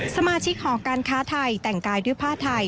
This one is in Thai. สมาชิกหอการค้าไทยแต่งกายด้วยผ้าไทย